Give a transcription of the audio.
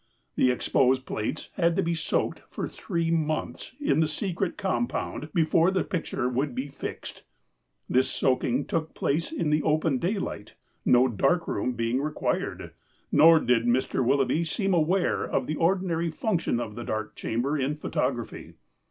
The exposed plates had to be soaked for three months in the secret compound before the picture would be fixed. This soaking took place in the open daylight, no dark room being required, nor did Mr. Willoughby seem aware of the ordinary function of the dark chamber in photography.